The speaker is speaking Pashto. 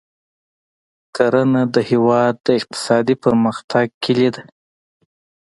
کرنه د هېواد د اقتصادي پرمختګ کلي ده.